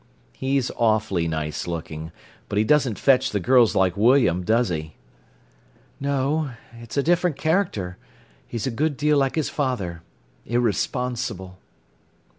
"He's awfully nice looking. But he doesn't fetch the girls like William, does he?" "No; it's a different character. He's a good deal like his father, irresponsible."